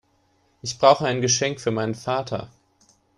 Ich brauche ein Geschenk für meinen Vater.